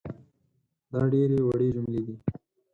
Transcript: دا ډېرې وړې جملې دي